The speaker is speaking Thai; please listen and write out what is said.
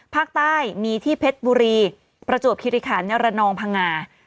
ภาคใต้มีที่เพชรบุรีประจวบคิริขันนรนองพังงา